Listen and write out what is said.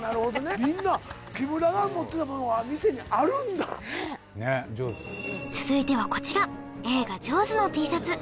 みんな木村が持ってたものが店にあるんだ続いてはこちら映画「ＪＡＷＳ」のＴシャツ